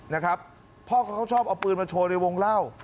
นะครับพ่อเขาชอบเอาปืนมาโชว์ในวงเล่า